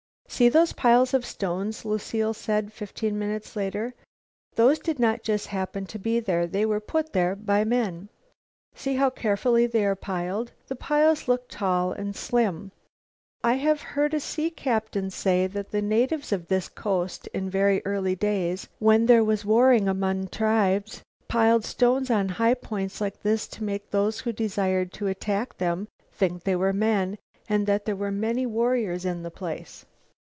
"See those piles of stones?" Lucile said fifteen minutes later. "Those did not just happen to be there. They were put there by men. See how carefully they are piled. The piles look tall and slim. I have heard a sea captain say that the natives of this coast, in very early days, when there was warring among tribes, piled stones on high points like this to make those who desired to attack them think they were men, and that there were many warriors in the place."